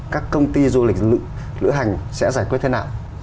các công ty du lịch lữ hành sẽ giải quyết thế nào